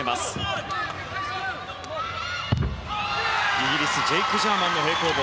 イギリスジェイク・ジャーマンの平行棒。